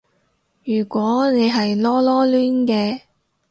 如果你係囉囉攣嘅